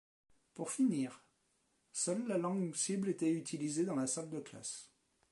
Pour finir, seule la langue cible était utilisée dans la salle de classe.